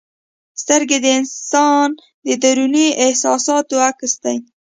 سترګې د انسان د دروني احساساتو عکس دی.